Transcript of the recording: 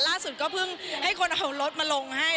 ล่าสุดก็เพิ่งให้คนเอารถมาลงให้